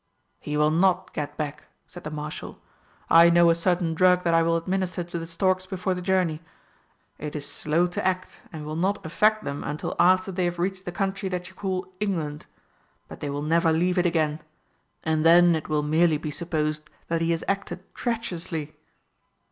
"He will not get back," said the Marshal. "I know a certain drug that I will administer to the storks before the journey. It is slow to act, and will not affect them until after they have reached the country that you call England. But they will never leave it again. And then it will merely be supposed that he has acted treacherously."